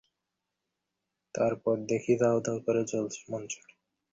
তারপর দেখি দাউ দাউ করে জ্বলছে মঞ্চটি।